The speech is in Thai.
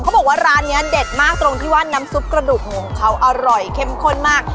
บอกว่าร้านนี้เด็ดมากตรงที่ว่าน้ำซุปกระดูกหมูของเขาอร่อยเข้มข้นมาก